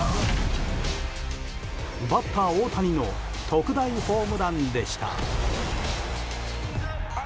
バッター大谷の特大ホームランでした。